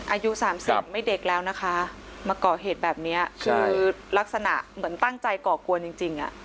อายุสามสิบไม่เด็กแล้วนะคะมาก่อเหตุแบบนี้คือลักษณะเหมือนตั้งใจก่อกวนจริงจริงอ่ะ